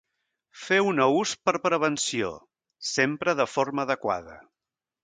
Feu-ne ús per prevenció, sempre de forma adequada.